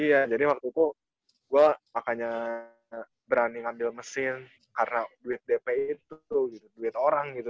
iya jadi waktu itu gue makanya berani ngambil mesin karena duit dp itu gitu duit orang gitu